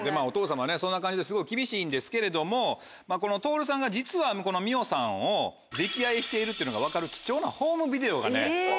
お父様そんな感じですごい厳しいんですけれどもトオルさんが実は美緒さんを溺愛しているっていうのが分かる貴重なホームビデオがね